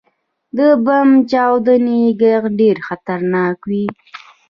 • د بم چاودنې ږغ ډېر خطرناک وي.